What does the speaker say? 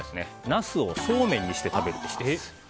ナスをそうめんにして食べるべし。